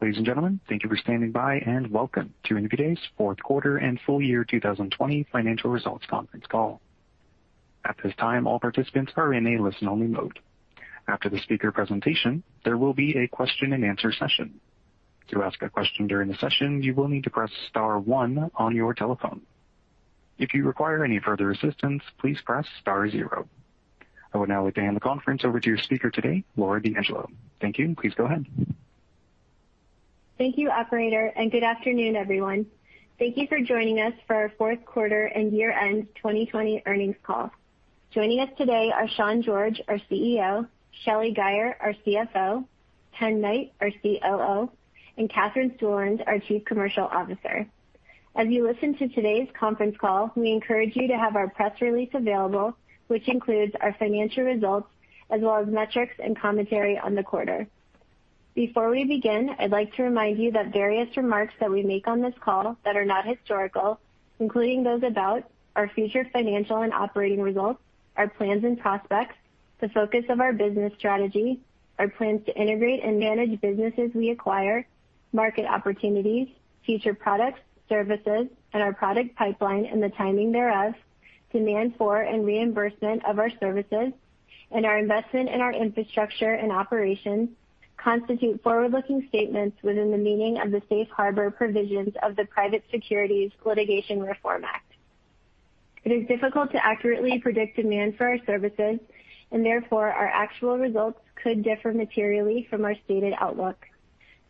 Ladies and gentlemen, thank you for standing by, and welcome to Invitae's fourth quarter and full year 2020 financial results conference call. At this time, all participants are in a listen-only mode. After the speaker presentation, there will be a question and answer session. To ask a question during the session, you will need to press star one on your telephone. If you require any further assistance, please press star zero. I would now like to hand the conference over to your speaker today, Laura D'Angelo. Thank you, and please go ahead. Thank you, operator. Good afternoon, everyone. Thank you for joining us for our fourth quarter and year-end 2020 earnings call. Joining us today are Sean George, our CEO, Shelly Guyer, our CFO, Ken Knight, our COO, and Katherine Stueland, our Chief Commercial Officer. As you listen to today's conference call, we encourage you to have our press release available, which includes our financial results as well as metrics and commentary on the quarter. Before we begin, I'd like to remind you that various remarks that we make on this call that are not historical, including those about our future financial and operating results, our plans and prospects, the focus of our business strategy, our plans to integrate and manage businesses we acquire, market opportunities, future products, services, and our product pipeline, and the timing thereof, demand for and reimbursement of our services, and our investment in our infrastructure and operations, constitute forward-looking statements within the meaning of the Safe Harbor provisions of the Private Securities Litigation Reform Act. It is difficult to accurately predict demand for our services, and therefore, our actual results could differ materially from our stated outlook.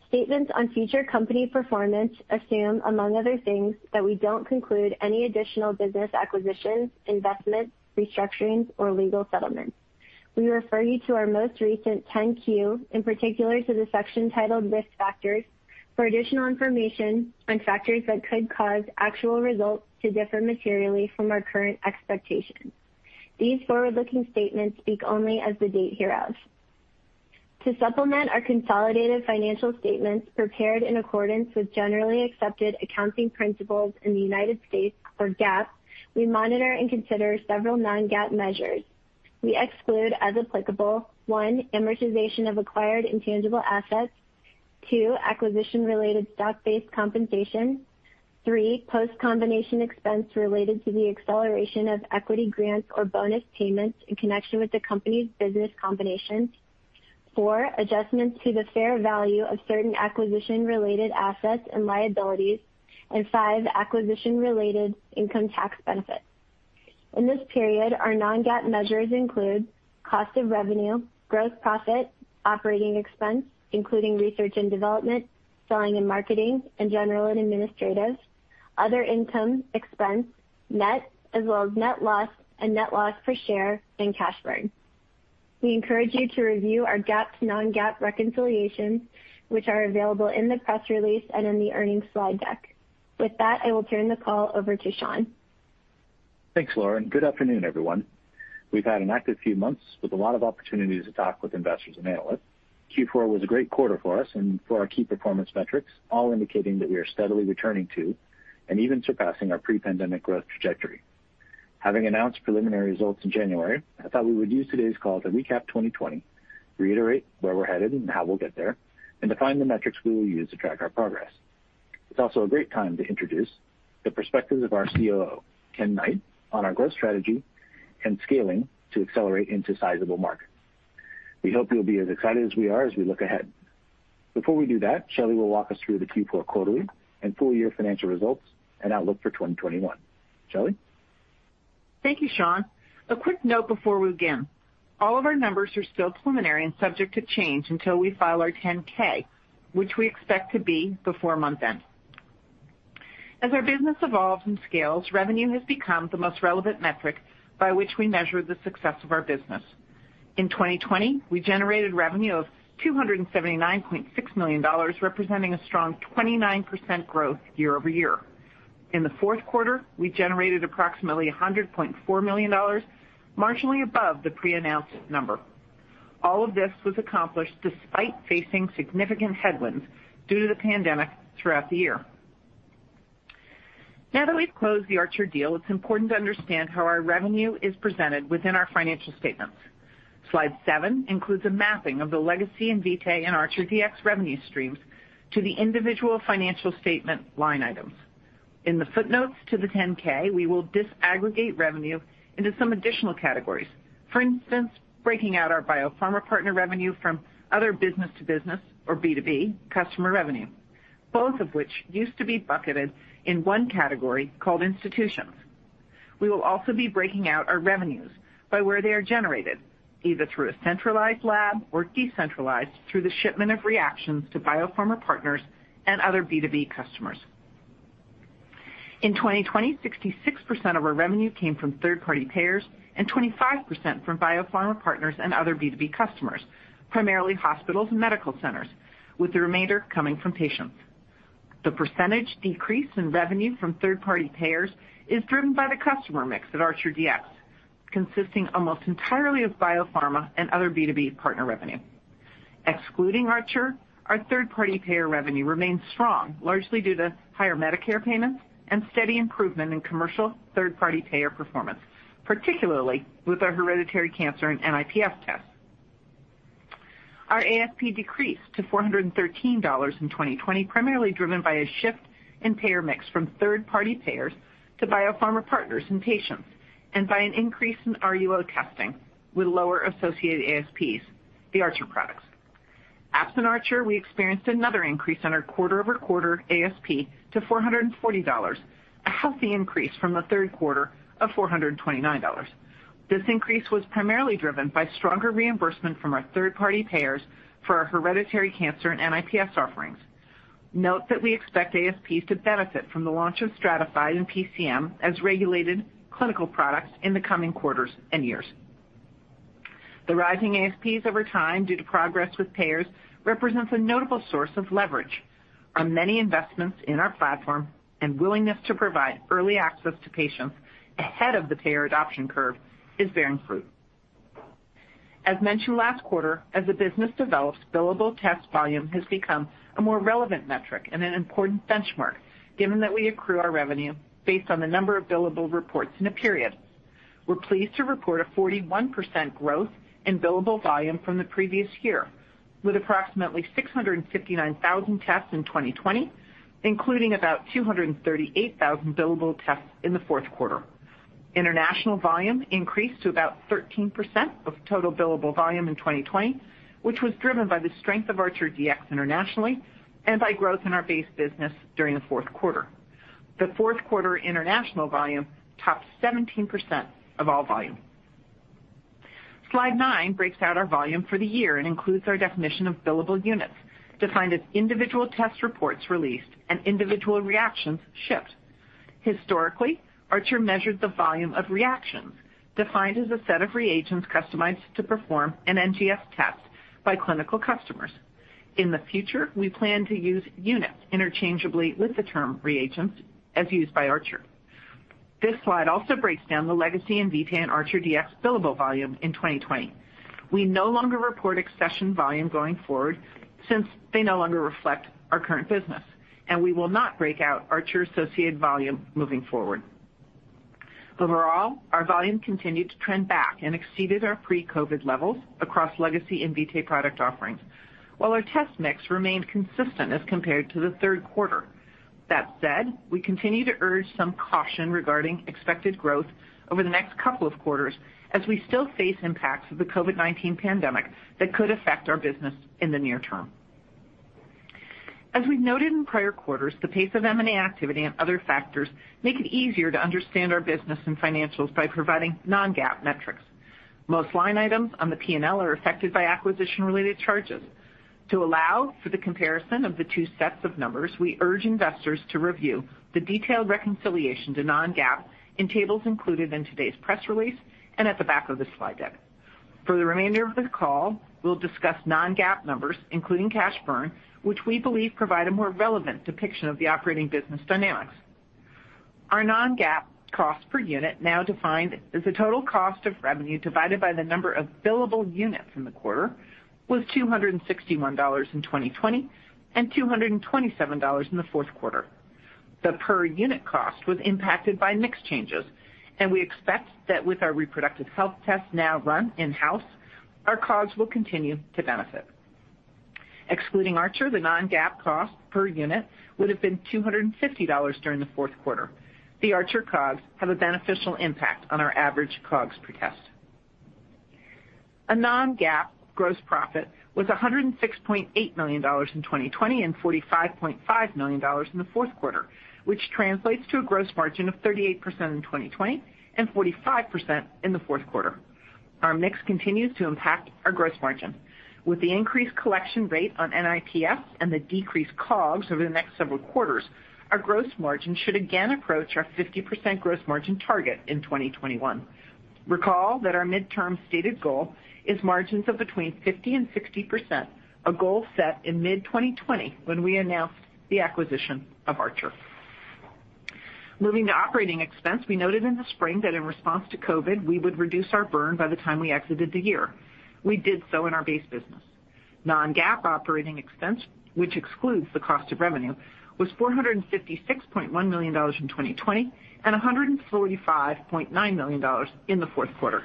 Statements on future company performance assume, among other things, that we don't conclude any additional business acquisitions, investments, restructurings, or legal settlements. We refer you to our most recent 10-Q, in particular to the section titled Risk Factors, for additional information on factors that could cause actual results to differ materially from our current expectations. These forward-looking statements speak only as of the date hereof. To supplement our consolidated financial statements prepared in accordance with Generally Accepted Accounting Principles in the U.S., or GAAP, we monitor and consider several non-GAAP measures. We exclude, as applicable: One, amortization of acquired intangible assets. Two, acquisition-related stock-based compensation. Three, post-combination expense related to the acceleration of equity grants or bonus payments in connection with the company's business combinations. Four, adjustments to the fair value of certain acquisition-related assets and liabilities. Five, acquisition-related income tax benefits. In this period, our non-GAAP measures include cost of revenue, gross profit, operating expense, including research and development, selling and marketing, and general and administrative, other income expense, net, as well as net loss and net loss per share, and cash burn. We encourage you to review our GAAP to non-GAAP reconciliations, which are available in the press release and in the earnings slide deck. With that, I will turn the call over to Sean. Thanks, Laura, and good afternoon, everyone. We've had an active few months with a lot of opportunities to talk with investors and analysts. Q4 was a great quarter for us and for our key performance metrics, all indicating that we are steadily returning to and even surpassing our pre-pandemic growth trajectory. Having announced preliminary results in January, I thought we would use today's call to recap 2020, reiterate where we're headed and how we'll get there, and define the metrics we will use to track our progress. It's also a great time to introduce the perspectives of our COO, Ken Knight, on our growth strategy and scaling to accelerate into sizable markets. We hope you'll be as excited as we are as we look ahead. Before we do that, Shelly will walk us through the Q4 quarterly and full-year financial results and outlook for 2021. Shelly? Thank you, Sean. A quick note before we begin. All of our numbers are still preliminary and subject to change until we file our 10-K, which we expect to be before month-end. As our business evolves and scales, revenue has become the most relevant metric by which we measure the success of our business. In 2020, we generated revenue of $279.6 million, representing a strong 29% growth year-over-year. In the fourth quarter, we generated approximately $100.4 million, marginally above the pre-announced number. All of this was accomplished despite facing significant headwinds due to the pandemic throughout the year. Now that we've closed the Archer deal, it's important to understand how our revenue is presented within our financial statements. Slide seven includes a mapping of the legacy Invitae and ArcherDX revenue streams to the individual financial statement line items. In the footnotes to the 10-K, we will disaggregate revenue into some additional categories. For instance, breaking out our biopharma partner revenue from other business-to-business, or B2B, customer revenue, both of which used to be bucketed in one category called institutions. We will also be breaking out our revenues by where they are generated, either through a centralized lab or decentralized through the shipment of reactions to biopharma partners and other B2B customers. In 2020, 66% of our revenue came from third-party payers and 25% from biopharma partners and other B2B customers, primarily hospitals and medical centers, with the remainder coming from patients. The percentage decrease in revenue from third-party payers is driven by the customer mix at ArcherDX, consisting almost entirely of biopharma and other B2B partner revenue. Excluding Archer, our third-party payer revenue remains strong, largely due to higher Medicare payments and steady improvement in commercial third-party payer performance, particularly with our hereditary cancer and NIPS tests. Our ASP decreased to $413 in 2020, primarily driven by a shift in payer mix from third-party payers to biopharma partners and patients, and by an increase in RUO testing with lower associated ASPs, the Archer products. Since Archer, we experienced another increase in our quarter-over-quarter ASP to $440, a healthy increase from the third quarter of $429. This increase was primarily driven by stronger reimbursement from our third-party payers for our hereditary cancer and NIPS offerings. Note that we expect ASPs to benefit from the launch of STRATAFIDE and PCM as regulated clinical products in the coming quarters and years. The rising ASPs over time, due to progress with payers, represents a notable source of leverage on many investments in our platform and willingness to provide early access to patients ahead of the payer adoption curve is bearing fruit. As mentioned last quarter, as the business develops, billable test volume has become a more relevant metric and an important benchmark given that we accrue our revenue based on the number of billable reports in a period. We're pleased to report a 41% growth in billable volume from the previous year, with approximately 659,000 tests in 2020, including about 238,000 billable tests in the fourth quarter. International volume increased to about 13% of total billable volume in 2020, which was driven by the strength of ArcherDX internationally and by growth in our base business during the fourth quarter. The fourth quarter international volume topped 17% of all volume. Slide nine breaks out our volume for the year and includes our definition of billable units, defined as individual test reports released and individual reactions shipped. Historically, Archer measured the volume of reactions, defined as a set of reagents customized to perform an NGS test by clinical customers. In the future, we plan to use units interchangeably with the term reagents as used by Archer. This slide also breaks down the legacy Invitae and ArcherDX billable volume in 2020. We no longer report accession volume going forward since they no longer reflect our current business, and we will not break out Archer's associated volume moving forward. Overall, our volume continued to trend back and exceeded our pre-COVID levels across legacy Invitae product offerings, while our test mix remained consistent as compared to the third quarter. That said, we continue to urge some caution regarding expected growth over the next couple of quarters as we still face impacts of the COVID-19 pandemic that could affect our business in the near term. As we noted in prior quarters, the pace of M&A activity and other factors make it easier to understand our business and financials by providing non-GAAP metrics. Most line items on the P&L are affected by acquisition-related charges. To allow for the comparison of the two sets of numbers, we urge investors to review the detailed reconciliation to non-GAAP in tables included in today's press release and at the back of the slide deck. For the remainder of the call, we'll discuss non-GAAP numbers, including cash burn, which we believe provide a more relevant depiction of the operating business dynamics. Our non-GAAP cost per unit, now defined as the total cost of revenue divided by the number of billable units in the quarter, was $261 in 2020 and $227 in the fourth quarter. The per-unit cost was impacted by mix changes, and we expect that with our reproductive health tests now run in-house, our COGS will continue to benefit. Excluding Archer, the non-GAAP cost per unit would've been $250 during the fourth quarter. The Archer COGS have a beneficial impact on our average COGS per test. A non-GAAP gross profit was $106.8 million in 2020 and $45.5 million in the fourth quarter, which translates to a gross margin of 38% in 2020 and 45% in the fourth quarter. Our mix continues to impact our gross margin. With the increased collection rate on NIPS and the decreased COGS over the next several quarters, our gross margin should again approach our 50% gross margin target in 2021. Recall that our midterm stated goal is margins of between 50% and 60%, a goal set in mid-2020 when we announced the acquisition of Archer. Moving to operating expense, we noted in the spring that in response to COVID, we would reduce our burn by the time we exited the year. We did so in our base business. Non-GAAP operating expense, which excludes the cost of revenue, was $456.1 million in 2020 and $145.9 million in the fourth quarter.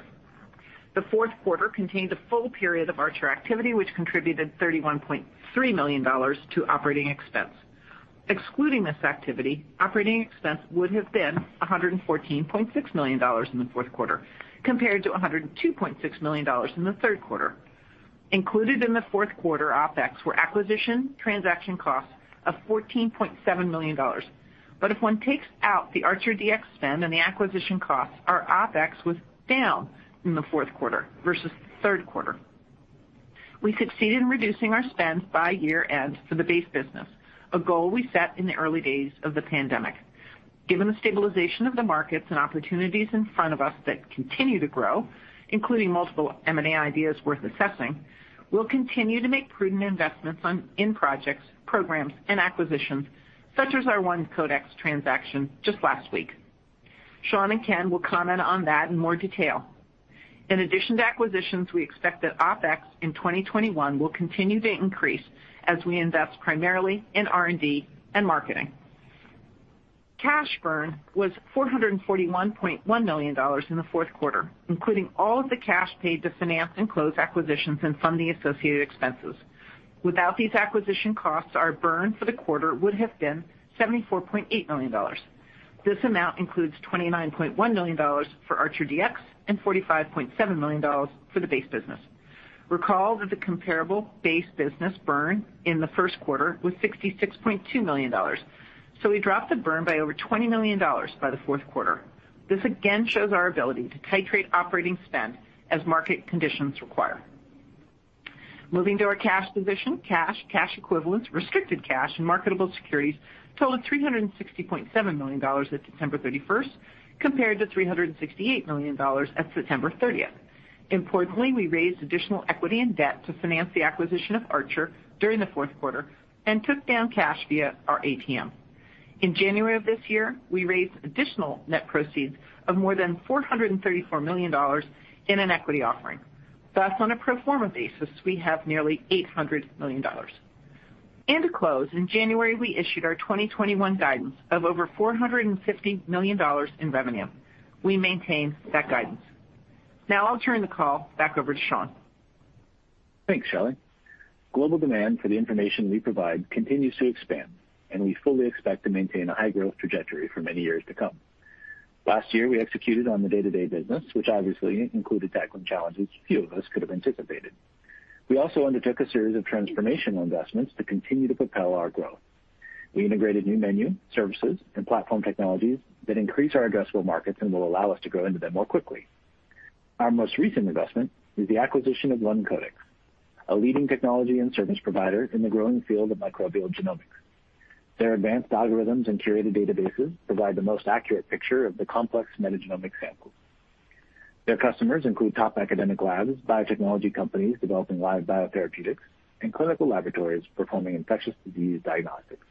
The fourth quarter contained a full period of Archer activity, which contributed $31.3 million to operating expense. Excluding this activity, operating expense would have been $114.6 million in the fourth quarter compared to $102.6 million in the third quarter. Included in the fourth quarter OpEx were acquisition transaction costs of $14.7 million. If one takes out the ArcherDX spend and the acquisition costs, our OpEx was down in the fourth quarter versus the third quarter. We succeeded in reducing our spend by year-end for the base business, a goal we set in the early days of the pandemic. Given the stabilization of the markets and opportunities in front of us that continue to grow, including multiple M&A ideas worth assessing, we'll continue to make prudent investments in projects, programs, and acquisitions, such as our One Codex transaction just last week. Sean and Ken will comment on that in more detail. In addition to acquisitions, we expect that OpEx in 2021 will continue to increase as we invest primarily in R&D and marketing. Cash burn was $441.1 million in the fourth quarter, including all of the cash paid to finance and close acquisitions and funding associated expenses. Without these acquisition costs, our burn for the quarter would have been $74.8 million. This amount includes $29.1 million for ArcherDX and $45.7 million for the base business. Recall that the comparable base business burn in the first quarter was $66.2 million. We dropped the burn by over $20 million by the fourth quarter. This again shows our ability to titrate operating spend as market conditions require. Moving to our cash position, cash equivalents, restricted cash, and marketable securities totaled $360.7 million at December 31st, compared to $368 million at September 30th. Importantly, we raised additional equity and debt to finance the acquisition of Archer during the fourth quarter and took down cash via our ATM. In January of this year, we raised additional net proceeds of more than $434 million in an equity offering. Thus, on a pro forma basis, we have nearly $800 million. To close, in January, we issued our 2021 guidance of over $450 million in revenue. We maintain that guidance. Now I'll turn the call back over to Sean. Thanks, Shelly. Global demand for the information we provide continues to expand. We fully expect to maintain a high growth trajectory for many years to come. Last year, we executed on the day-to-day business, which obviously included tackling challenges few of us could have anticipated. We also undertook a series of transformational investments to continue to propel our growth. We integrated new menu, services, and platform technologies that increase our addressable markets and will allow us to grow into them more quickly. Our most recent investment is the acquisition of One Codex, a leading technology and service provider in the growing field of microbial genomics. Their advanced algorithms and curated databases provide the most accurate picture of the complex metagenomic sample. Their customers include top academic labs, biotechnology companies developing live biotherapeutics, and clinical laboratories performing infectious disease diagnostics.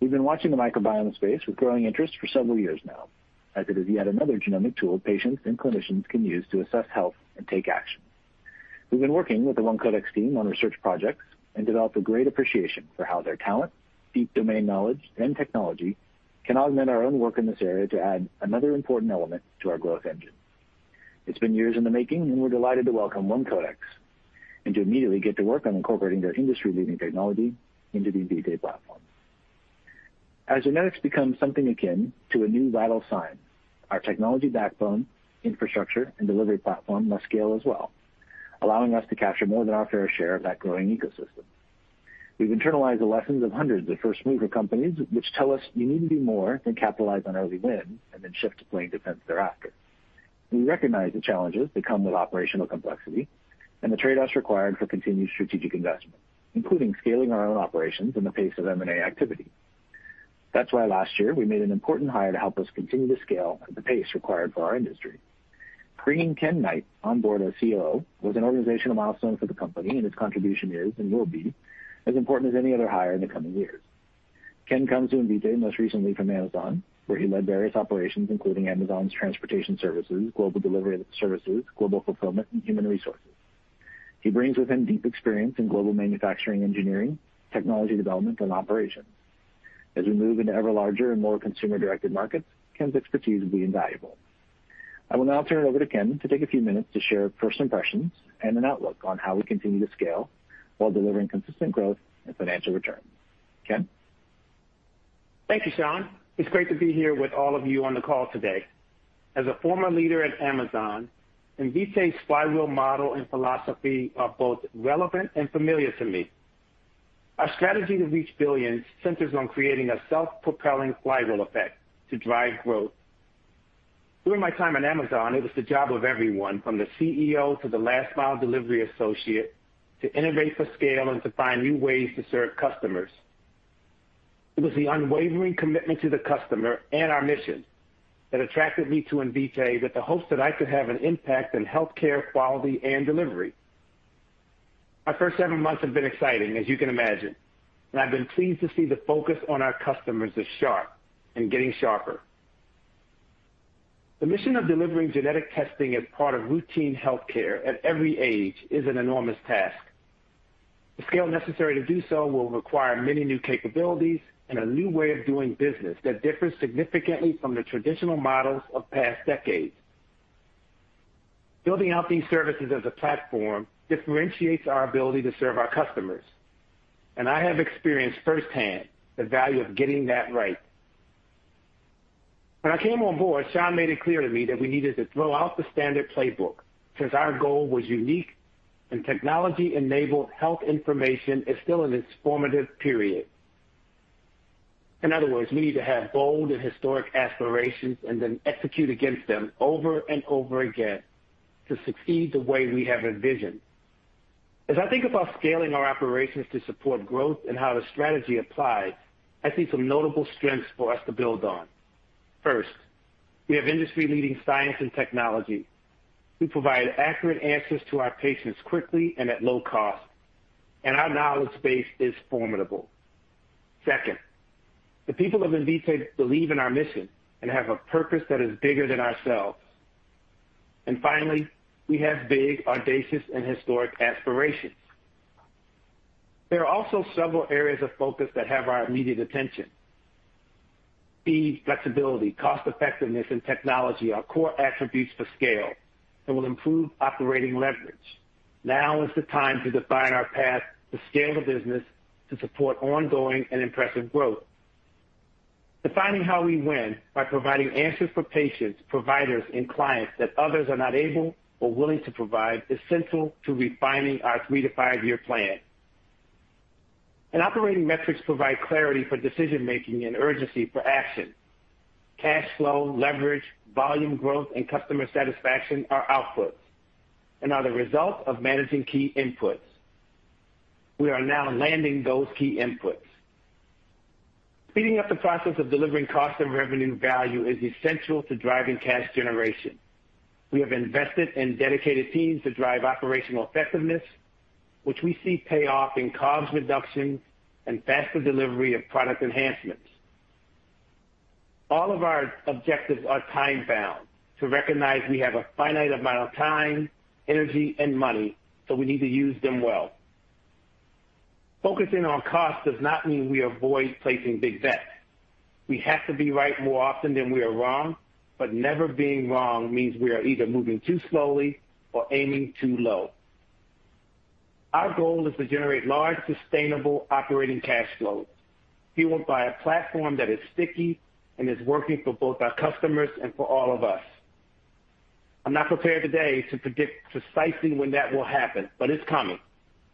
We've been watching the microbiome space with growing interest for several years now, as it is yet another genomic tool patients and clinicians can use to assess health and take action. We've been working with the One Codex team on research projects and developed a great appreciation for how their talent, deep domain knowledge, and technology can augment our own work in this area to add another important element to our growth engine. It's been years in the making, and we're delighted to welcome One Codex, and to immediately get to work on incorporating their industry-leading technology into the Invitae platform. As genetics becomes something akin to a new vital sign, our technology backbone, infrastructure, and delivery platform must scale as well, allowing us to capture more than our fair share of that growing ecosystem. We've internalized the lessons of hundreds of first-mover companies, which tell us we need to do more than capitalize on early wins and then shift to playing defense thereafter. We recognize the challenges that come with operational complexity and the trade-offs required for continued strategic investment, including scaling our own operations and the pace of M&A activity. Last year, we made an important hire to help us continue to scale at the pace required for our industry. Bringing Ken Knight on board as COO was an organizational milestone for the company, and his contribution is and will be as important as any other hire in the coming years. Ken comes to Invitae most recently from Amazon, where he led various operations, including Amazon's transportation services, global delivery services, global fulfillment, and human resources. He brings with him deep experience in global manufacturing, engineering, technology development, and operations. As we move into ever larger and more consumer-directed markets, Ken's expertise will be invaluable. I will now turn it over to Ken to take a few minutes to share first impressions and an outlook on how we continue to scale while delivering consistent growth and financial returns. Ken? Thank you, Sean. It's great to be here with all of you on the call today. As a former leader at Amazon, Invitae's flywheel model and philosophy are both relevant and familiar to me. Our strategy to reach billions centers on creating a self-propelling flywheel effect to drive growth. During my time at Amazon, it was the job of everyone, from the CEO to the last mile delivery associate, to innovate for scale and to find new ways to serve customers. It was the unwavering commitment to the customer and our mission that attracted me to Invitae with the hopes that I could have an impact on healthcare quality and delivery. My first seven months have been exciting, as you can imagine, and I've been pleased to see the focus on our customers is sharp and getting sharper. The mission of delivering genetic testing as part of routine healthcare at every age is an enormous task. The scale necessary to do so will require many new capabilities and a new way of doing business that differs significantly from the traditional models of past decades. Building out these services as a platform differentiates our ability to serve our customers, and I have experienced firsthand the value of getting that right. When I came on board, Sean made it clear to me that we needed to throw out the standard playbook, since our goal was unique and technology-enabled health information is still in its formative period. In other words, we need to have bold and historic aspirations and then execute against them over and over again to succeed the way we have envisioned. As I think about scaling our operations to support growth and how the strategy applies, I see some notable strengths for us to build on. First, we have industry-leading science and technology. We provide accurate answers to our patients quickly and at low cost, and our knowledge base is formidable. Second, the people of Invitae believe in our mission and have a purpose that is bigger than ourselves. Finally, we have big, audacious, and historic aspirations. There are also several areas of focus that have our immediate attention. Speed, flexibility, cost-effectiveness, and technology are core attributes for scale and will improve operating leverage. Now is the time to define our path to scale the business to support ongoing and impressive growth. Defining how we win by providing answers for patients, providers, and clients that others are not able or willing to provide is central to refining our three-to-five-year plan. Operating metrics provide clarity for decision-making and urgency for action. Cash flow, leverage, volume growth, and customer satisfaction are outputs and are the result of managing key inputs. We are now landing those key inputs. Speeding up the process of delivering cost and revenue value is essential to driving cash generation. We have invested in dedicated teams to drive operational effectiveness, which we see pay off in COGS reduction and faster delivery of product enhancements. All of our objectives are time-bound to recognize we have a finite amount of time, energy, and money, so we need to use them well. Focusing on cost does not mean we avoid placing big bets. We have to be right more often than we are wrong, but never being wrong means we are either moving too slowly or aiming too low. Our goal is to generate large, sustainable operating cash flows fueled by a platform that is sticky and is working for both our customers and for all of us. I'm not prepared today to predict precisely when that will happen, but it's coming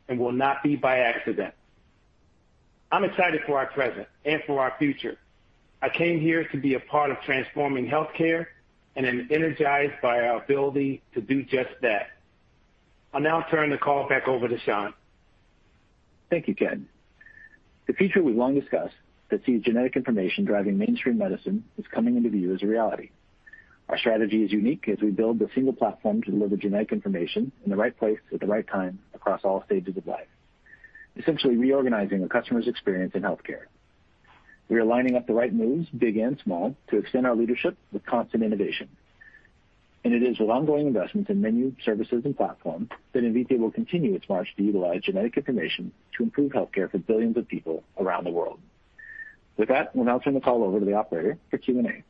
and will not be by accident. I'm excited for our present and for our future. I came here to be a part of transforming healthcare and am energized by our ability to do just that. I'll now turn the call back over to Sean. Thank you, Ken. The future we've long discussed that sees genetic information driving mainstream medicine is coming into view as a reality. Our strategy is unique as we build a single platform to deliver genetic information in the right place at the right time across all stages of life, essentially reorganizing a customer's experience in healthcare. We are lining up the right moves, big and small, to extend our leadership with constant innovation, and it is with ongoing investments in menu, services, and platform that Invitae will continue its march to utilize genetic information to improve healthcare for billions of people around the world. With that, we'll now turn the call over to the operator for Q&A.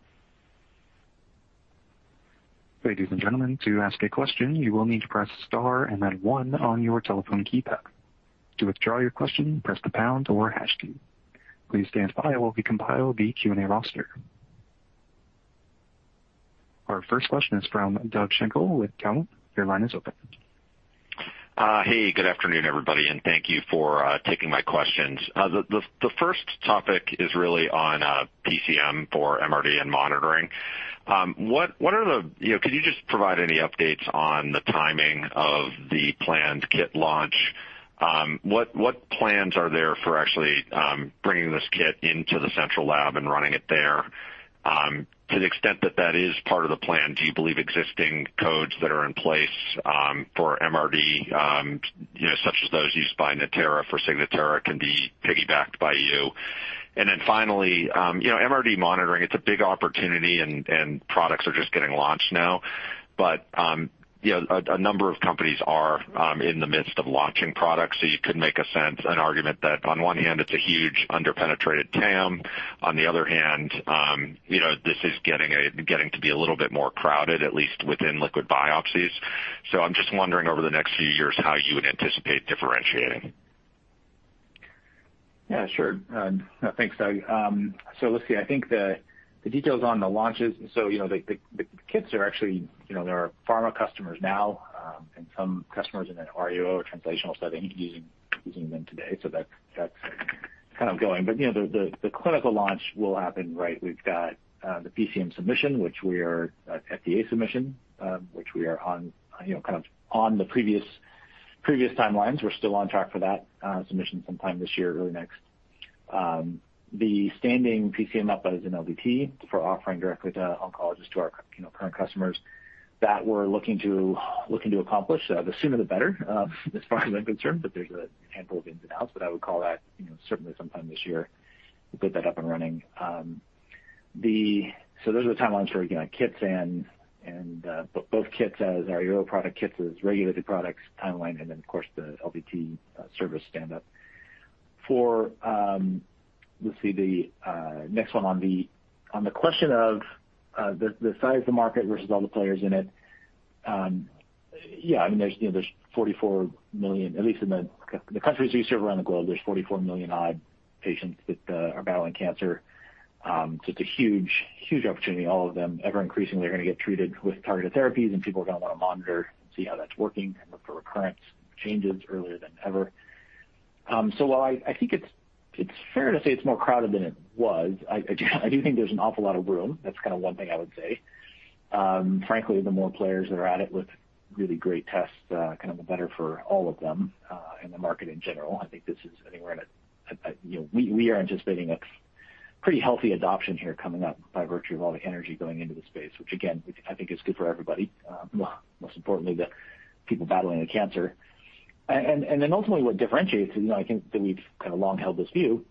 Ladies and gentlemen, to ask a question, you will need to press star and then one on your telephone keypad. To withdraw your question, press the pound or hash key. Please stand by while we compile the Q&A roster. Our first question is from Doug Schenkel with Cowen. Your line is open. Hey, good afternoon, everybody, and thank you for taking my questions. The first topic is really on PCM for MRD and monitoring. Could you just provide any updates on the timing of the planned kit launch? What plans are there for actually bringing this kit into the central lab and running it there? To the extent that that is part of the plan, do you believe existing codes that are in place for MRD, such as those used by Natera for Signatera, can be piggybacked by you? Finally, MRD monitoring, it's a big opportunity and products are just getting launched now, but a number of companies are in the midst of launching products, so you could make an argument that on one hand, it's a huge under-penetrated TAM. On the other hand, this is getting to be a little bit more crowded, at least within liquid biopsies. I'm just wondering over the next few years how you would anticipate differentiating. Yeah, sure. Thanks, Doug. let's see, I think the details on the launches, There are pharma customers now, and some customers in that RUO or translational setting using them today, that's kind of going. The clinical launch will happen, we've got the PCM submission, FDA submission, which we are on the previous timelines. We're still on track for that submission sometime this year or early next. The standing PCM up as an LDT for offering directly to oncologists, to our current customers, that we're looking to accomplish, the sooner the better, as far as I'm concerned, there's a handful of ins and outs, I would call that certainly sometime this year, we'll get that up and running. Those are the timelines for kits and both kits as our RUO product kits as regulated products timeline, and then, of course, the LDT service stand up. Let's see, the next one on the question of the size of the market versus all the players in it. There's 44 million, at least in the countries we serve around the globe, there's 44 million-odd patients that are battling cancer. It's a huge opportunity. All of them, ever increasingly, are going to get treated with targeted therapies, and people are going to want to monitor and see how that's working and look for recurrence, changes earlier than ever. While I think it's fair to say it's more crowded than it was, I do think there's an awful lot of room. That's one thing I would say. Frankly, the more players that are at it with really great tests, the better for all of them, and the market in general. We are anticipating a pretty healthy adoption here coming up by virtue of all the energy going into the space, which again, I think is good for everybody, most importantly, the people battling the cancer. Ultimately, what differentiates is, I think that we've kind of long held this view.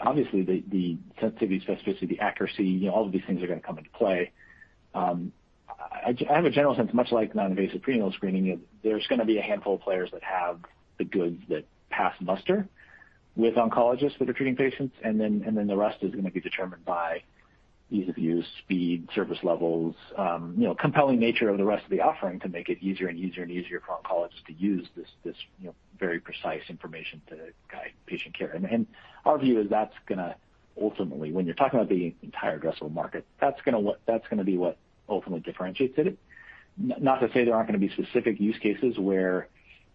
Obviously, the sensitivity, specificity, accuracy, all of these things are going to come into play. I have a general sense, much like non-invasive prenatal screening, there's going to be a handful of players that have the goods that pass muster with oncologists that are treating patients, and then the rest is going to be determined by ease of use, speed, service levels, compelling nature of the rest of the offering to make it easier and easier for oncologists to use this very precise information to guide patient care. Our view is that's going to ultimately, when you're talking about the entire addressable market, that's going to be what ultimately differentiates it. Not to say there aren't going to be specific use cases where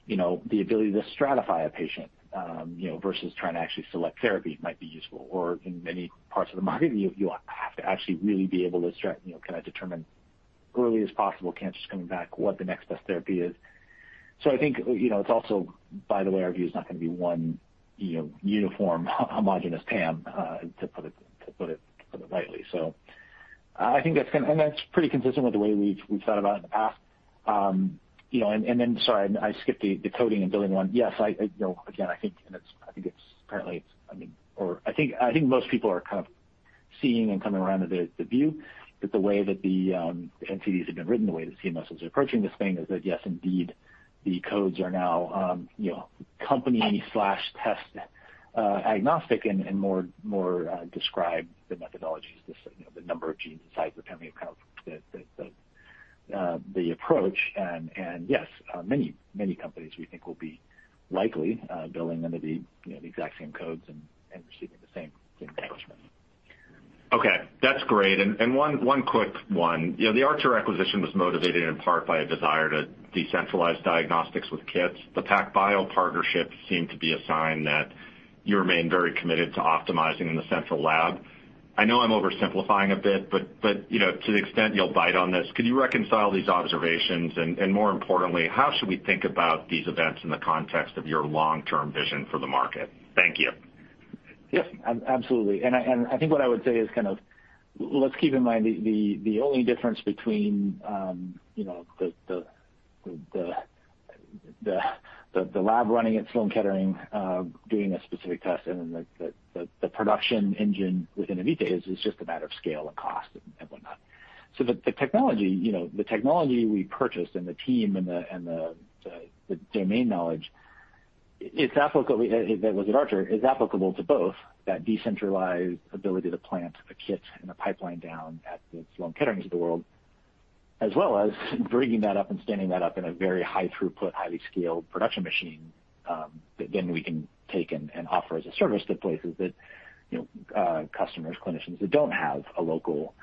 the ability to stratify a patient versus trying to actually select therapy might be useful, or in many parts of the market, you have to actually really be able to can I determine early as possible, cancer's coming back, what the next best therapy is? I think, it's also, by the way, our view is not going to be one uniform, homogenous TAM, to put it lightly. I think that's going to and that's pretty consistent with the way we've thought about it in the past. Sorry, I skipped the coding and billing one. Yes, again, I think it's apparently I think most people are kind of seeing and coming around to the view that the way that the NCDs have been written, the way the CMS is approaching this thing is that, yes, indeed, the codes are now company/test agnostic and more describe the methodologies, the number of genes, the size, the family of codes, the approach. Yes, many companies we think will be likely billing under the exact same codes and receiving the same reimbursement. Okay, that's great. One quick one. The Archer acquisition was motivated in part by a desire to decentralize diagnostics with kits. The PacBio partnership seemed to be a sign that you remain very committed to optimizing in the central lab. I know I'm oversimplifying a bit, but to the extent you'll bite on this, could you reconcile these observations? More importantly, how should we think about these events in the context of your long-term vision for the market? Thank you. Yes, absolutely. I think what I would say is let's keep in mind the only difference between the lab running at Sloan Kettering doing a specific test and the production engine within Invitae is just a matter of scale and cost and whatnot. The technology we purchased and the team and the domain knowledge that was at Archer is applicable to both that decentralized ability to plant a kit and a pipeline down at the Sloan Ketterings of the world, as well as bringing that up and standing that up in a very high throughput, highly scaled production machine that then we can take and offer as a service to places that customers, clinicians that don't have a local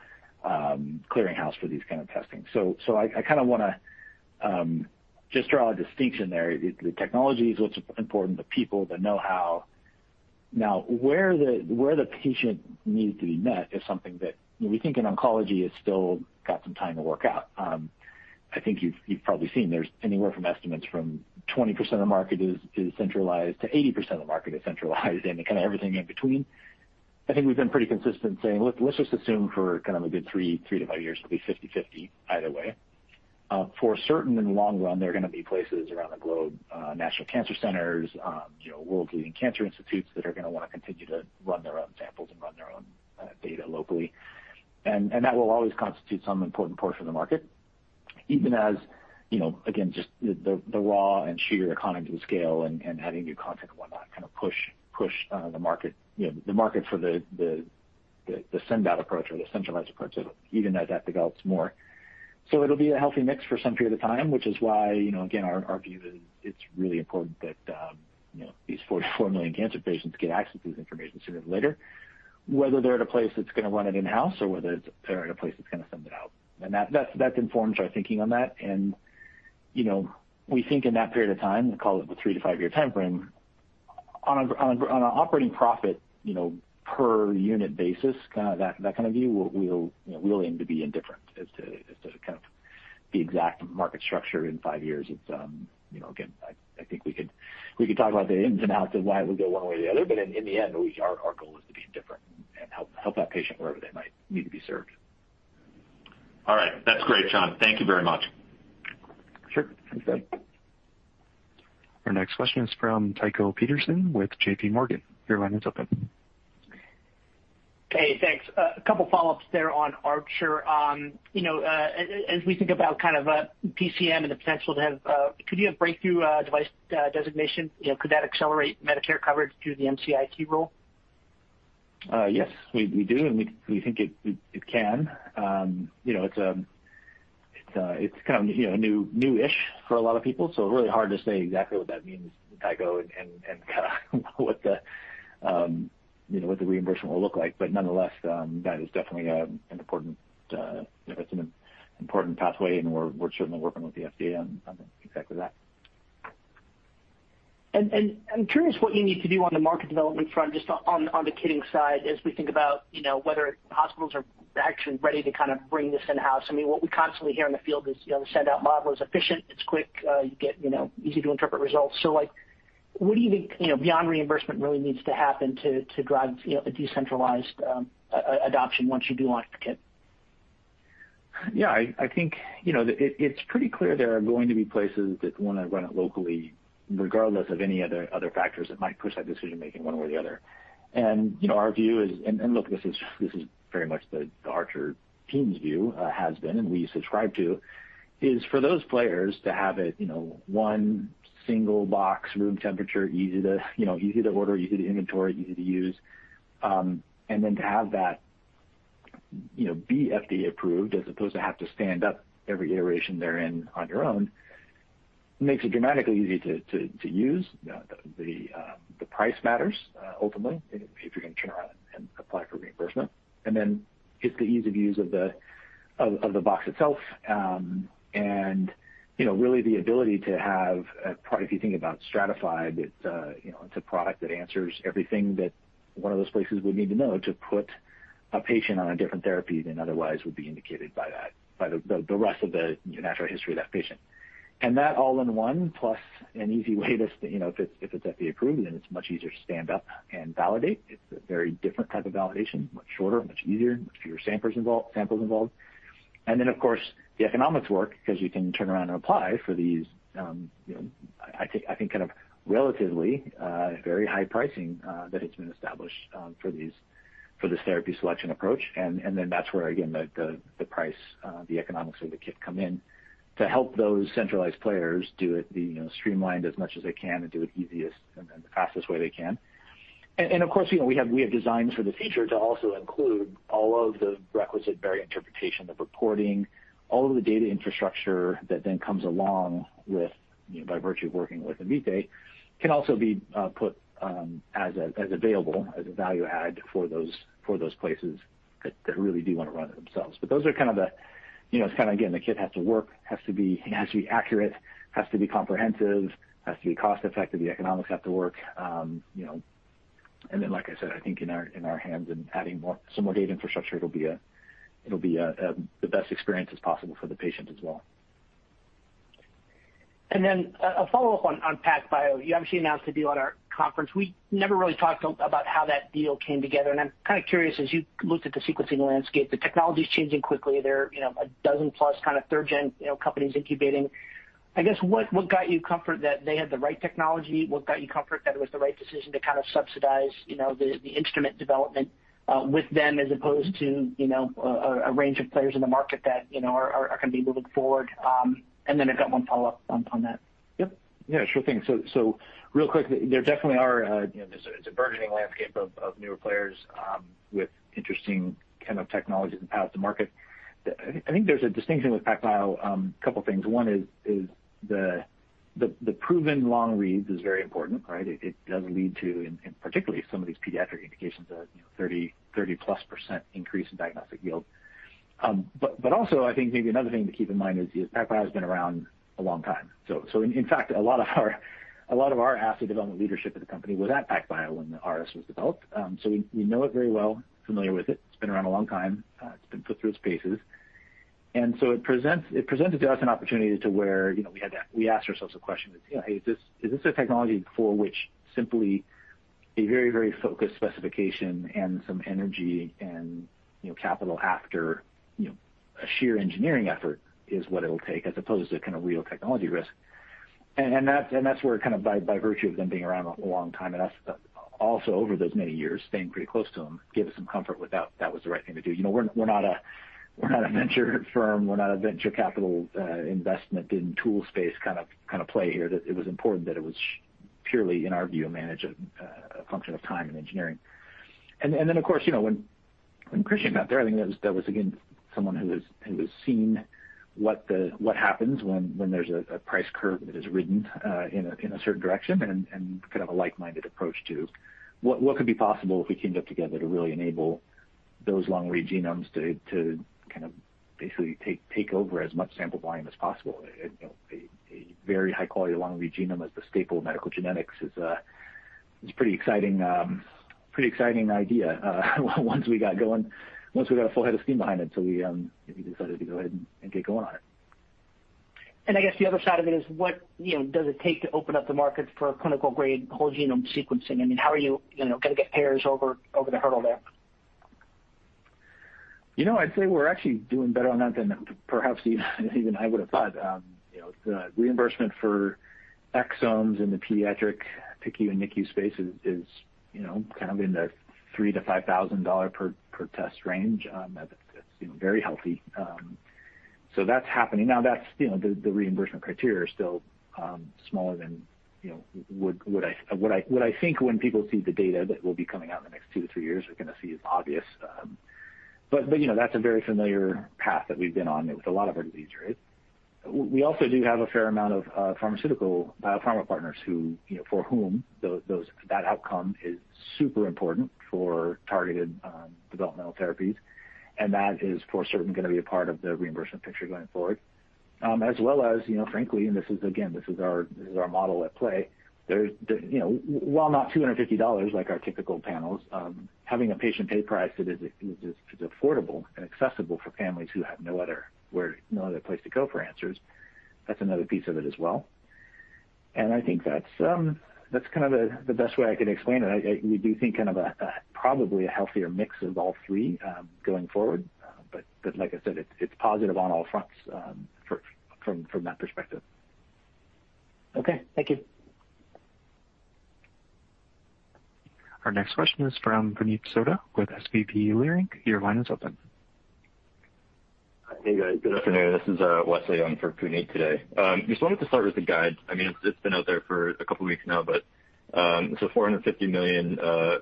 clearing house for these kind of testing. I want to just draw a distinction there. The technology is what's important, the people, the know-how. Now, where the patient needs to be met is something that we think in oncology has still got some time to work out. I think you've probably seen there's anywhere from estimates from 20% of market is centralized to 80% of the market is centralized and kind of everything in between. I think we've been pretty consistent saying, let's just assume for a good three- to five-years, it'll be 50/50 either way. For certain, in the long run, there are going to be places around the globe, national cancer centers, world-leading cancer institutes that are going to want to continue to run their own samples and run their own data locally. That will always constitute some important portion of the market, even as, again, just the raw and sheer economies of scale and having new content and whatnot kind of push the market for the send out approach or the centralized approach, even as that develops more. It'll be a healthy mix for some period of time, which is why, again, our view is it's really important that these 44 million cancer patients get access to this information sooner than later, whether they're at a place that's going to run it in-house or whether they're at a place that's going to send it out. That informs our thinking on that. We think in that period of time, call it the three to five year timeframe, on an operating profit per unit basis, that kind of view will aim to be indifferent as to kind of the exact market structure in five years. It's, again, I think we could talk about the ins and outs of why it would go one way or the other, but in the end, our goal is to be indifferent and help that patient wherever they might need to be served. All right. That's great, Sean. Thank you very much. Sure. Thanks, Doug. Our next question is from Tycho Peterson with JPMorgan. Your line is open. Hey, thanks. A couple follow-ups there on Archer. As we think about kind of PCM and the potential, could you have breakthrough device designation, could that accelerate Medicare coverage through the MCIT rule? Yes, we do, and we think it can. It's kind of new-ish for a lot of people, so really hard to say exactly what that means, Tycho, and what the reimbursement will look like. Nonetheless, that is definitely an important pathway, and we're certainly working with the FDA on exactly that. I'm curious what you need to do on the market development front, just on the kitting side, as we think about whether hospitals are actually ready to kind of bring this in-house. What we constantly hear in the field is the send out model is efficient, it's quick, you get easy to interpret results. What do you think beyond reimbursement really needs to happen to drive a decentralized adoption once you do launch a kit? Yeah, I think it's pretty clear there are going to be places that want to run it locally, regardless of any other factors that might push that decision-making one way or the other. Our view is, and look, this is very much the Archer team's view, has been, and we subscribe to, is for those players to have it one single box, room temperature, easy to order, easy to inventory, easy to use. To have that be FDA approved as opposed to have to stand up every iteration they're in on your own, makes it dramatically easy to use. The price matters, ultimately, if you're going to turn around and apply for reimbursement. It's the ease of use of the box itself, and really the ability to have, if you think about STRATAFIDE, it's a product that answers everything that one of those places would need to know to put a patient on a different therapy than otherwise would be indicated by the rest of the natural history of that patient. That all-in-one, plus an easy way to, if it's FDA approved, then it's much easier to stand up and validate. It's a very different type of validation, much shorter, much easier, much fewer samples involved. Of course, the economics work because you can turn around and apply for these, I think relatively very high pricing that has been established for this therapy selection approach. That's where, again, the price, the economics of the kit come in to help those centralized players do it streamlined as much as they can and do it easiest and in the fastest way they can. Of course, we have designs for the future to also include all of the requisite variant interpretation, the reporting, all of the data infrastructure that then comes along with, by virtue of working with Invitae, can also be put as available as a value add for those places that really do want to run it themselves. Again, the kit has to work, has to be accurate, has to be comprehensive, has to be cost-effective, the economics have to work. Then, like I said, I think in our hands and adding some more data infrastructure, it'll be the best experience as possible for the patient as well. Then a follow-up on PacBio. You obviously announced a deal at our conference. We never really talked about how that deal came together, and I'm kind of curious, as you looked at the sequencing landscape, the technology's changing quickly. There are a dozen plus kind of 3rd-gen companies incubating. I guess, what got you comfort that they had the right technology? What got you comfort that it was the right decision to kind of subsidize the instrument development with them as opposed to a range of players in the market that are going to be moving forward? Then I've got one follow-up on that. Yep. Yeah, sure thing. Real quick, there definitely are, it's a burgeoning landscape of newer players with interesting kind of technologies and paths to market. I think there's a distinction with PacBio, couple things. One is the proven long reads is very important, right? It does lead to, and particularly some of these pediatric indications, 30%+ increase in diagnostic yield. Also, I think maybe another thing to keep in mind is PacBio has been around a long time. In fact, a lot of our assay development leadership at the company was at PacBio when the RS was developed. We know it very well, familiar with it. It's been around a long time. It's been put through its paces. It presented to us an opportunity to where we asked ourselves a question, "Is this a technology for which simply a very, very focused specification and some energy and capital after a sheer engineering effort is what it'll take as opposed to kind of real technology risk?" That's where kind of by virtue of them being around a long time, and us also over those many years, staying pretty close to them, gave us some comfort that was the right thing to do. We're not a venture firm, we're not a venture capital investment in tool space kind of play here. That it was important that it was purely, in our view, a function of time and engineering. Of course, when Christian got there, I think that was, again, someone who has seen what happens when there's a price curve that is ridden in a certain direction and kind of a like-minded approach to what could be possible if we teamed up together to really enable those long-read genomes to kind of basically take over as much sample volume as possible. A very high-quality long-read genome as the staple of medical genetics is a pretty exciting idea once we got a full head of steam behind it. We decided to go ahead and get going on it. I guess the other side of it is what does it take to open up the market for clinical-grade whole genome sequencing? I mean, how are you going to get payers over the hurdle there? I'd say we're actually doing better on that than perhaps even I would've thought. The reimbursement for exomes in the pediatric PICU and NICU space is kind of in the $3,000-$5,000 per test range. That's very healthy. That's happening now. The reimbursement criteria are still smaller than what I think when people see the data that will be coming out in the next two to three years, they're going to see it's obvious. That's a very familiar path that we've been on with a lot of our disease states. We also do have a fair amount of pharmaceutical biopharma partners for whom that outcome is super important for targeted developmental therapies, that is for certain going to be a part of the reimbursement picture going forward. As well as, frankly, this is, again, this is our model at play. While not $250 like our typical panels, having a patient pay price that is affordable and accessible for families who have no other place to go for answers, that's another piece of it as well. I think that's the best way I can explain it. We do think kind of probably a healthier mix of all three going forward. Like I said, it's positive on all fronts from that perspective. Okay, thank you. Our next question is from Puneet Souda with SVB Leerink. Your line is open. Hey, guys. Good afternoon. This is Wesley on for Puneet today. Just wanted to start with the guide. It's been out there for a couple of weeks now. $450 million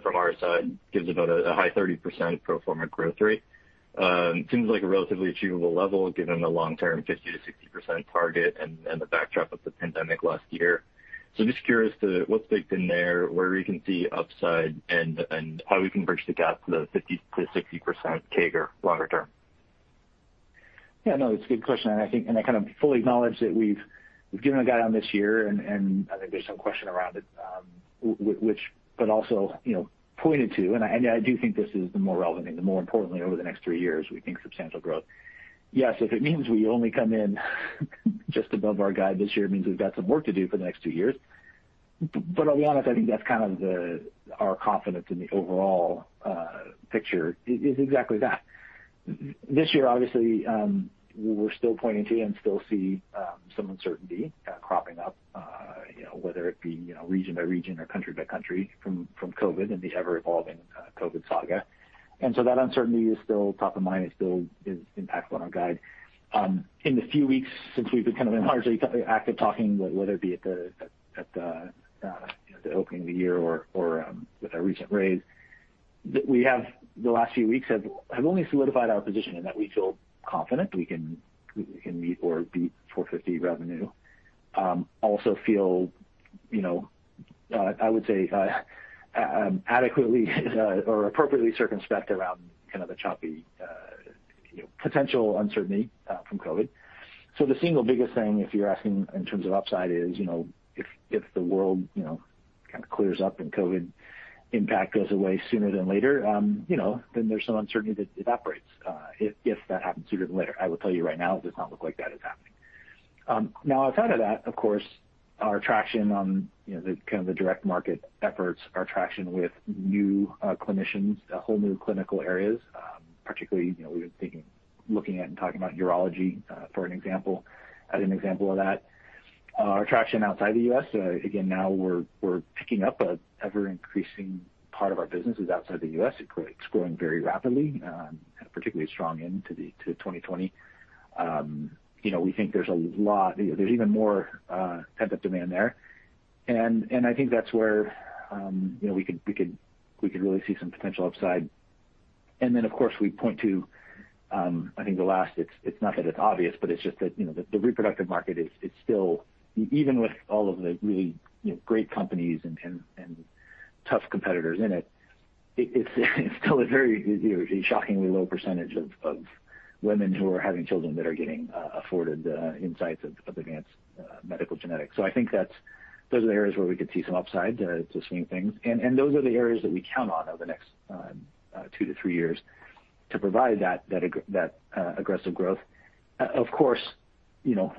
from our side gives about a high 30% pro forma growth rate. Seems like a relatively achievable level given the long-term 50%-60% target and the backdrop of the pandemic last year. Just curious to what's baked in there, where we can see upside, and how we can bridge the gap to the 50%-60% CAGR longer term. Yeah, no, it's a good question. I kind of fully acknowledge that we've given a guide on this year and I think there's some question around it, also pointed to, and I do think this is the more relevant thing, the more importantly over the next three years, we think substantial growth. Yes, if it means we only come in just above our guide this year, it means we've got some work to do for the next two years. I'll be honest, I think that's kind of our confidence in the overall picture is exactly that. This year, obviously, we're still pointing to and still see some uncertainty cropping up, whether it be region by region or country by country from COVID and the ever-evolving COVID saga. That uncertainty is still top of mind and still is impactful on our guide. In the few weeks since we've been kind of largely active talking, whether it be at the opening of the year or with our recent raise, the last few weeks have only solidified our position in that we feel confident we can meet or beat 450 revenue. Also feel, I would say, adequately or appropriately circumspect around kind of the choppy potential uncertainty from COVID. The single biggest thing, if you're asking in terms of upside, is if the world kind of clears up and COVID impact goes away sooner than later, then there's some uncertainty that it evaporates, if that happens sooner than later. I will tell you right now, it does not look like that is happening. Outside of that, of course, our traction on the direct market efforts, our traction with new clinicians, whole new clinical areas, particularly, we've been thinking, looking at and talking about urology as an example of that. Our traction outside the U.S., again, now we're picking up a ever-increasing part of our business is outside the U.S. It's growing very rapidly, had a particularly strong end to 2020. We think there's even more pent-up demand there. I think that's where we could really see some potential upside. Of course, we point to it's not that it's obvious, but it's just that the reproductive market is still, even with all of the really great companies and tough competitors in it's still a very shockingly low percentage of women who are having children that are getting afforded insights of advanced medical genetics. I think those are the areas where we could see some upside to swing things. Those are the areas that we count on over the next two to three years to provide that aggressive growth. Of course,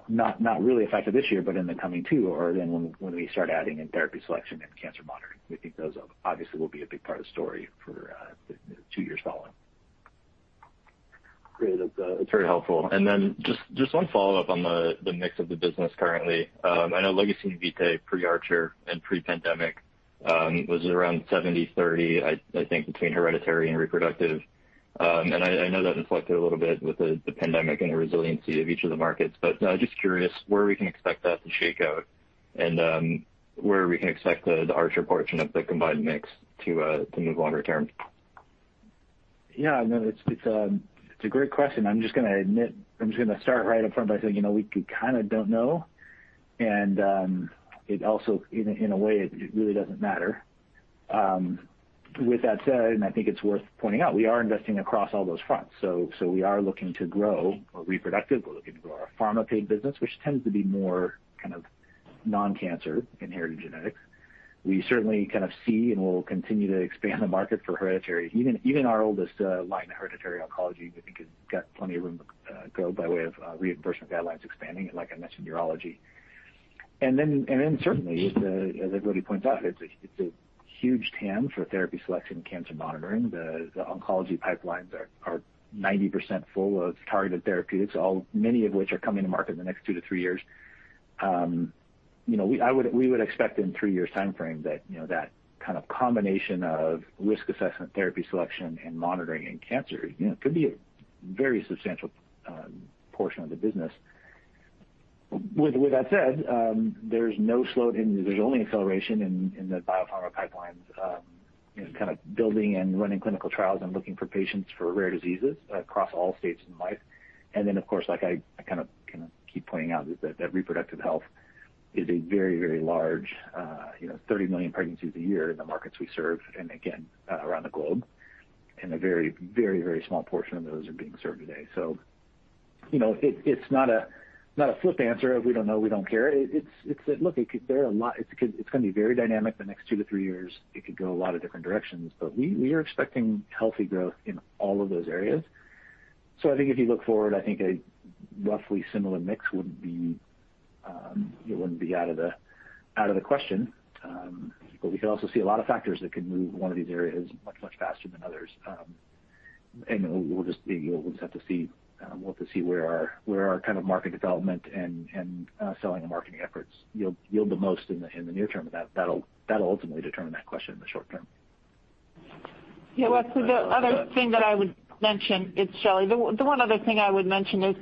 not really a factor this year, but in the coming two or then when we start adding in therapy selection and cancer monitoring. We think those obviously will be a big part of the story for the two years following. Great. It's very helpful. Then just one follow-up on the mix of the business currently. I know legacy Invitae pre-Archer and pre-pandemic was around 70%/30%, I think, between hereditary and reproductive. I know that inflected a little bit with the pandemic and the resiliency of each of the markets, but just curious where we can expect that to shake out and where we can expect the Archer portion of the combined mix to move longer term. Yeah, no, it's a great question. I'm just going to admit, I'm just going to start right up front by saying, we kind of don't know, it also, in a way, it really doesn't matter. With that said, I think it's worth pointing out, we are investing across all those fronts. We are looking to grow our reproductive, we're looking to grow our pharma paid business, which tends to be more kind of non-cancer inherited genetics. We certainly kind of see and will continue to expand the market for hereditary, even our oldest line of hereditary oncology, we think has got plenty of room to grow by way of reimbursement guidelines expanding, like I mentioned, urology. Certainly, as everybody points out, it's a huge TAM for therapy selection, cancer monitoring. The oncology pipelines are 90% full of targeted therapeutics, many of which are coming to market in the next two to three years. We would expect in a three-year timeframe that kind of combination of risk assessment, therapy selection, and monitoring in cancer could be a very substantial portion of the business. There's only acceleration in the biopharma pipelines, kind of building and running clinical trials and looking for patients for rare diseases across all stages in life. Of course, like I kind of keep pointing out, is that reproductive health is a very, very large, 30 million pregnancies a year in the markets we serve, and again, around the globe. A very, very small portion of those are being served today. It's not a flip answer of we don't know, we don't care. It's that, look, it's going to be very dynamic the next two to three years. It could go a lot of different directions. We are expecting healthy growth in all of those areas. I think if you look forward, I think a roughly similar mix it wouldn't be out of the question. We could also see a lot of factors that could move one of these areas much, much faster than others. We'll just have to see where our kind of market development and selling and marketing efforts yield the most in the near term. That'll ultimately determine that question in the short term. Well, the other thing that I would mention, it's Shelly. The one other thing I would mention is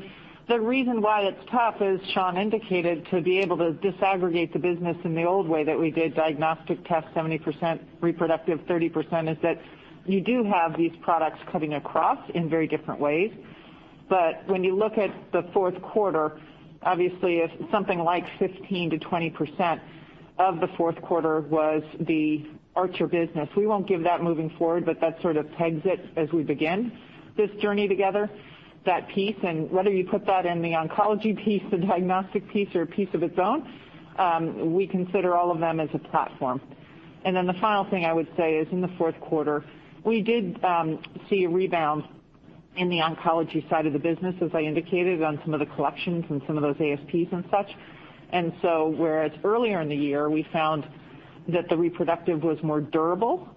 the reason why it's tough, as Sean indicated, to be able to disaggregate the business in the old way that we did diagnostic tests, 70%, reproductive 30%, is that you do have these products cutting across in very different ways. When you look at the fourth quarter, obviously, something like 15%-20% of the fourth quarter was the Archer business. We won't give that moving forward, but that sort of pegs it as we begin this journey together, that piece, and whether you put that in the oncology piece, the diagnostic piece, or a piece of its own, we consider all of them as a platform. The final thing I would say is in the fourth quarter, we did see a rebound in the oncology side of the business, as I indicated, on some of the collections and some of those ASPs and such. Whereas earlier in the year, we found that the reproductive was more durable,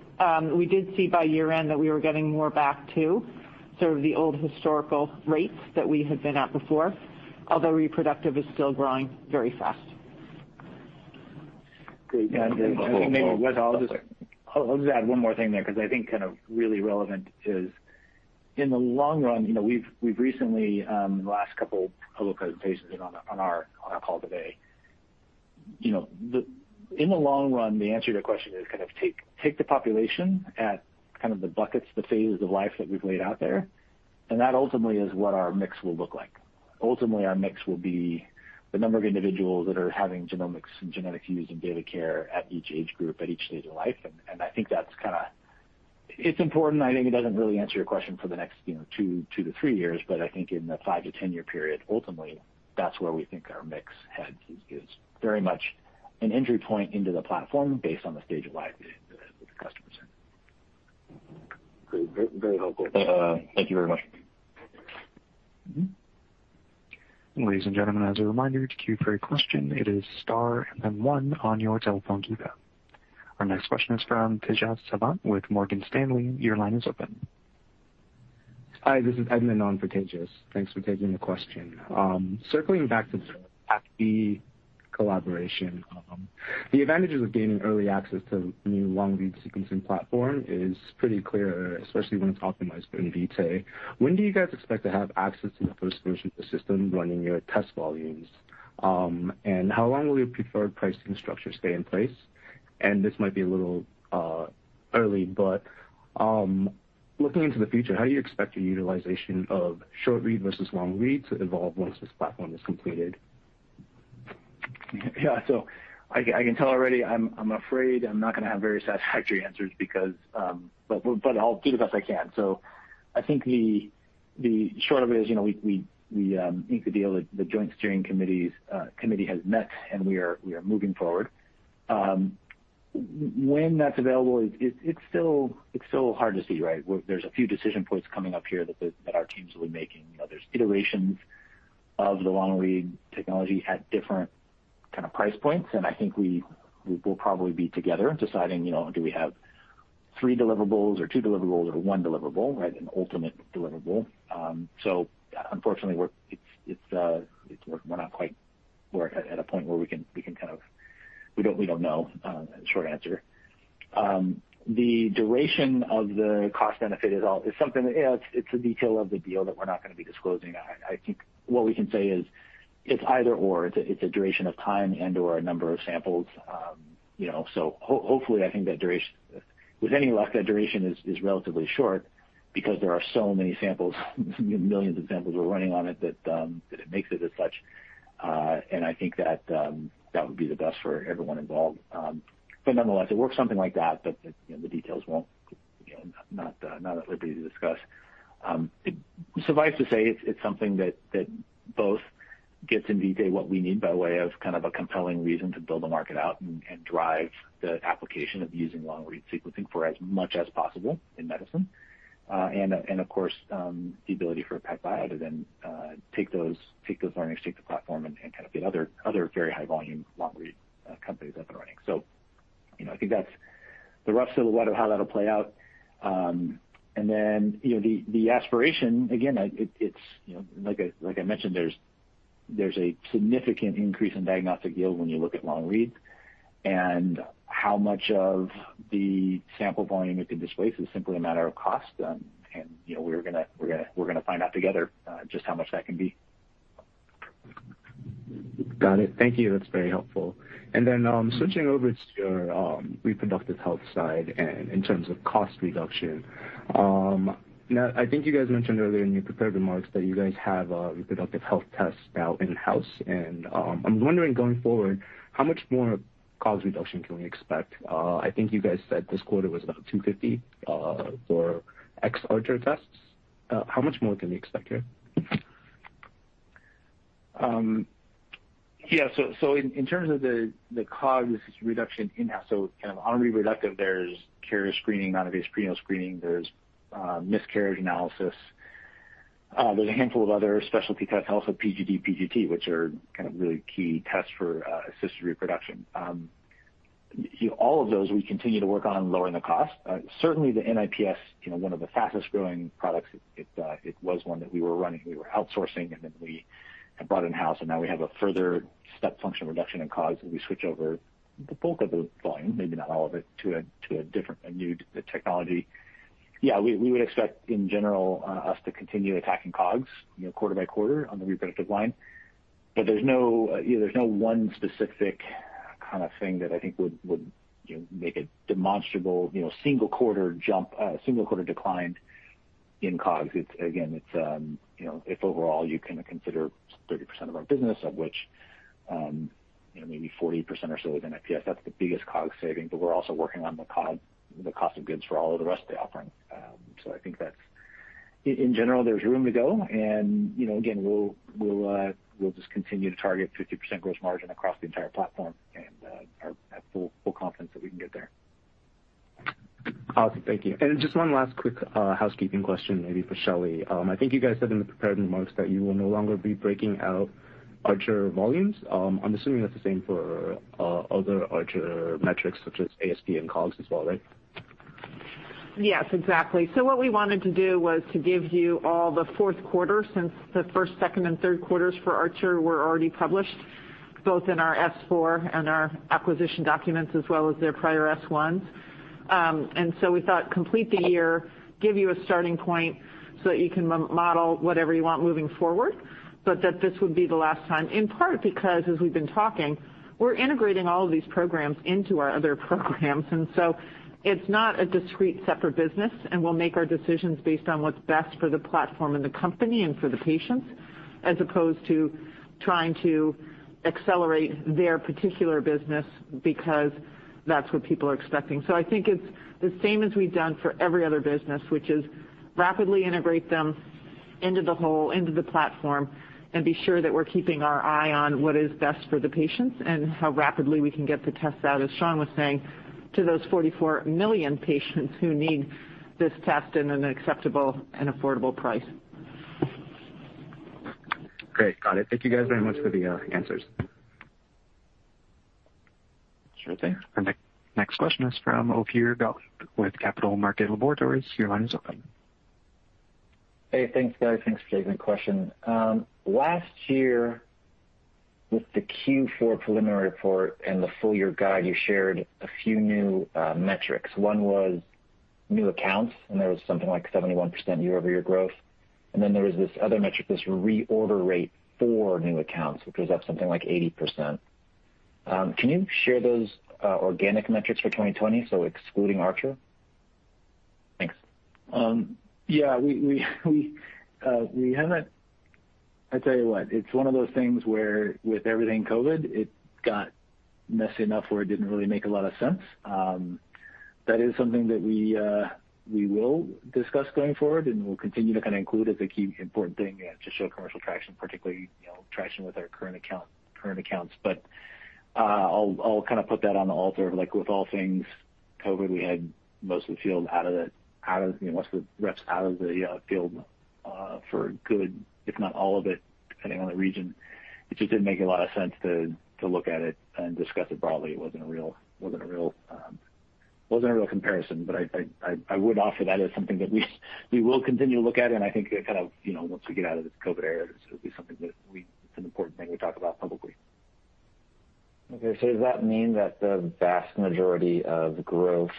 we did see by year-end that we were getting more back to sort of the old historical rates that we had been at before, although reproductive is still growing very fast. Great. I think maybe, Wes, I'll just add one more thing there, because I think kind of really relevant is, in the long run, we've recently, in the last couple of occasions and on our call today. In the long run, the answer to that question is kind of take the population at kind of the buckets, the phases of life that we've laid out there, and that ultimately is what our mix will look like. Ultimately, our mix will be the number of individuals that are having genomics and genetics used in daily care at each age group, at each stage of life. I think it's important. I think it doesn't really answer your question for the next two to three years, I think in the 5-10-year period, ultimately, that's where we think our mix is very much an entry point into the platform based on the stage of life that the customers are in. Great. Very helpful. Thank you very much. Ladies and gentlemen, as a reminder, to queue for a question, it is star and then one on your telephone keypad. Our next question is from Tejas Savant with Morgan Stanley. Your line is open. Hi, this is Edmund on for Tejas. Thanks for taking the question. Circling back to the PacBio collaboration, the advantages of gaining early access to new long-read sequencing platform is pretty clear, especially when it's optimized for Invitae. When do you guys expect to have access to the first version of the system running your test volumes? How long will your preferred pricing structure stay in place? This might be a little early, but looking into the future, how do you expect your utilization of short-read versus long-read to evolve once this platform is completed? I can tell already, I am afraid I am not going to have very satisfactory answers, but I will do the best I can. I think the short of it is, we inked the deal, the joint steering committee has met, and we are moving forward. When that is available, it is still hard to see, right? There is a few decision points coming up here that our teams will be making. There is iterations of the long-read technology at different kind of price points, and I think we will probably be together deciding, do we have three deliverables or two deliverables or one deliverable, right? An ultimate deliverable. Unfortunately, we are not quite at a point where we can We do not know, short answer. The duration of the cost benefit is something, yeah, it is a detail of the deal that we are not going to be disclosing. I think what we can say is it's either/or. It's a duration of time and/or a number of samples. Hopefully, I think with any luck, that duration is relatively short because there are so many samples, millions of samples we're running on it, that it makes it as such. I think that would be the best for everyone involved. Nonetheless, it works something like that, but the details, not at liberty to discuss. Suffice to say, it's something that both gets Invitae what we need by way of kind of a compelling reason to build the market out and drive the application of using long-read sequencing for as much as possible in medicine. Of course, the ability for PacBio to then take those learnings, take the platform, and kind of get other very high-volume long-read companies up and running. I think that's the rough silhouette of how that'll play out. The aspiration, again, like I mentioned, there's a significant increase in diagnostic yield when you look at long-read, and how much of the sample volume it can displace is simply a matter of cost. We're going to find out together just how much that can be. Got it. Thank you. That's very helpful. Switching over to your reproductive health side and in terms of cost reduction. I think you guys mentioned earlier in your prepared remarks that you guys have a reproductive health test now in-house, and I'm wondering, going forward, how much more cost reduction can we expect? I think you guys said this quarter was about $250 for ex-Archer tests. How much more can we expect here? In terms of the COGS reduction in-house, kind of on reproductive, there's carrier screening, non-invasive prenatal screening, there's miscarriage analysis. There's a handful of other specialty tests, also PGD, PGT, which are kind of really key tests for assisted reproduction. All of those, we continue to work on lowering the cost. Certainly the NIPS, one of the fastest-growing products, it was one that we were running, we were outsourcing, and then we had brought in-house, and now we have a further step function reduction in COGS as we switch over the bulk of the volume, maybe not all of it, to a different, a new technology. We would expect in general, us to continue attacking COGS, quarter by quarter on the reproductive line. There's no one specific kind of thing that I think would make a demonstrable, single-quarter decline in COGS. It's overall, you can consider 30% of our business, of which maybe 40% or so is NIPS. That's the biggest COGS saving. We're also working on the COG, the cost of goods for all of the rest of the offerings. I think that in general, there's room to go and, again, we'll just continue to target 50% gross margin across the entire platform, and have full confidence that we can get there. Awesome. Thank you. Just one last quick housekeeping question, maybe for Shelly. I think you guys said in the prepared remarks that you will no longer be breaking out Archer volumes. I'm assuming that's the same for other Archer metrics such as ASP and COGS as well, right? Yes, exactly. What we wanted to do was to give you all the fourth quarter, since the first, second, and third quarters for Archer were already published, both in our S-4 and our acquisition documents, as well as their prior S-1s. We thought complete the year, give you a starting point so that you can model whatever you want moving forward, but that this would be the last time, in part because, as we've been talking, we're integrating all of these programs into our other programs. It's not a discrete separate business, and we'll make our decisions based on what's best for the platform and the company and for the patients, as opposed to trying to accelerate their particular business because that's what people are expecting. I think it's the same as we've done for every other business, which is rapidly integrate them into the whole, into the platform, and be sure that we're keeping our eye on what is best for the patients and how rapidly we can get the tests out, as Sean was saying, to those 44 million patients who need this test in an acceptable and affordable price. Great. Got it. Thank you guys very much for the answers. Sure thing. Our next question is from Ophir Gottlieb with Capital Market Laboratories. Your line is open. Hey, thanks, guys. Thanks for taking the question. Last year, with the Q4 preliminary report and the full-year guide, you shared a few new metrics. One was new accounts. There was something like 71% year-over-year growth. Then there was this other metric, this reorder rate for new accounts, which was up something like 80%. Can you share those organic metrics for 2020, so excluding Archer? Thanks. Yeah. I tell you what, it's one of those things where with everything COVID, it got messy enough where it didn't really make a lot of sense. That is something that we will discuss going forward and we'll continue to kind of include as a key important thing to show commercial traction, particularly traction with our current accounts. I'll kind of put that on the altar, like with all things COVID, we had most of the reps out of the field for good, if not all of it, depending on the region. It just didn't make a lot of sense to look at it and discuss it broadly. It wasn't a real comparison. I would offer that as something that we will continue to look at, and I think kind of once we get out of this COVID era, this will be something that it's an important thing we talk about publicly. Okay. Does that mean that the vast majority of growth,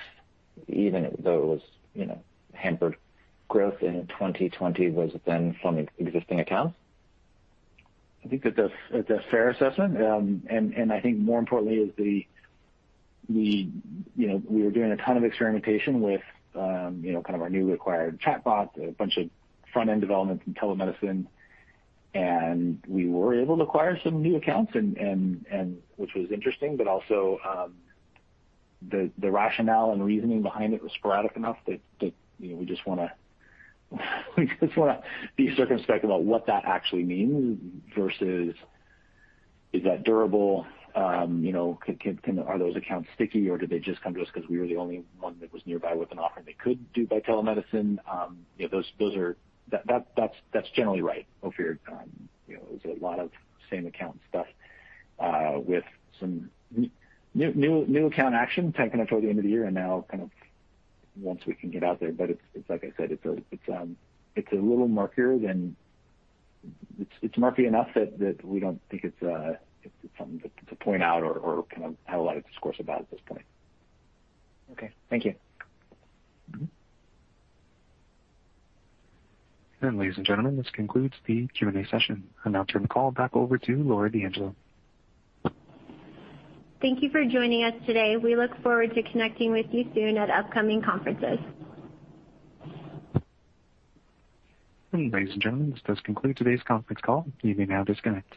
even though it was hampered growth in 2020, was then from existing accounts? I think that's a fair assessment. I think more importantly is we were doing a ton of experimentation with kind of our newly acquired chatbot, a bunch of front-end developments in telemedicine, and we were able to acquire some new accounts, which was interesting, but also, the rationale and reasoning behind it was sporadic enough that we just want to be circumspect about what that actually means versus is that durable? Are those accounts sticky, or did they just come to us because we were the only one that was nearby with an offering they could do by telemedicine? That's generally right, Ophir. It was a lot of same account stuff, with some new account action kind of toward the end of the year and now kind of once we can get out there. It's like I said, it's a little murky enough that we don't think it's something to point out or kind of have a lot of discourse about at this point. Okay. Thank you. Ladies and gentlemen, this concludes the Q&A session. I'll now turn the call back over to Laura D'Angelo. Thank you for joining us today. We look forward to connecting with you soon at upcoming conferences. Ladies and gentlemen, this does conclude today's conference call. You may now disconnect.